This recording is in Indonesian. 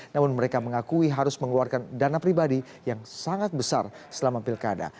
namun mereka mengakui harus mengeluarkan dana pribadi yang sangat besar selama pilkada